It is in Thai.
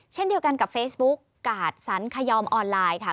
เช่นเดียวกันกับเฟซบุ๊กกาดสรรคยอมออนไลน์ค่ะ